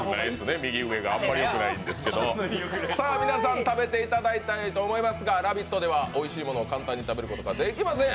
右上があんまりよくないんですけど皆さん、食べていただきたいと思いますが「ラヴィット！」ではおいしいものを簡単に食べることができません。